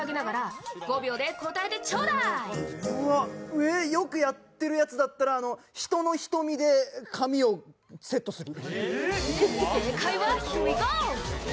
えー、よくやってるやつだったら、人のひとみで髪をセットする？